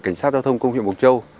cảnh sát giao thông công huyện bục châu